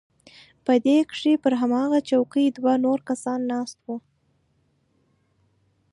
په دې کښې پر هماغه چوکۍ دوه نور کسان ناست وو.